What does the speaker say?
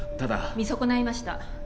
見損ないました。